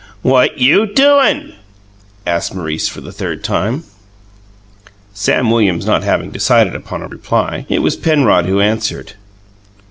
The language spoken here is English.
"What you doin'?" asked Maurice for the third time, Sam Williams not having decided upon a reply. It was Penrod who answered.